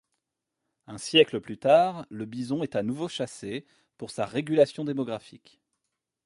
Un siècle plus tard, le bison est à nouveau chassé, pour sa régulation démographique.